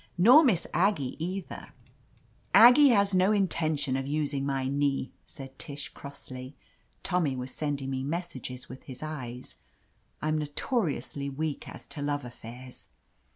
Nor Miss Ag gie either —" "Aggie has no intention of using my knee," said Tish crossly. Tommy was sending me messages with his ^es. I'm notoriously weak as to love affairs.